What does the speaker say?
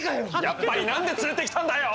やっぱりなんで連れてきたんだよ！